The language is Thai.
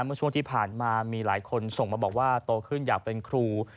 เมื่อช่วงที่ผ่านมามีหลายคนส่งมาบอกว่าโตขึ้นอยากเป็นครู